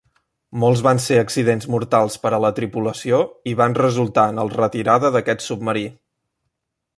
Molts van ser accidents mortals per a la tripulació, i van resultar en el retirada d'aquest submarí.